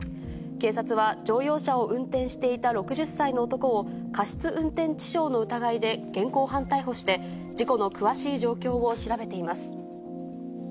警察は乗用車を運転していた６０歳の男を、過失運転致傷の疑いで現行犯逮捕して、事故の詳しい状況を調べています。